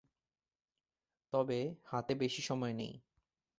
তবে হাতে বেশি সময় নেই।